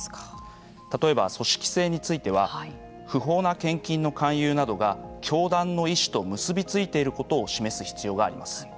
例えば、組織性については不法な献金の勧誘などが教団の意思と結び付いていることを示す必要があります。